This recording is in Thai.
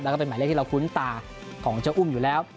แล้วก็เป็นหมายเลขที่เราคุ้นตาของเจ้าอุ้มอยู่แล้ว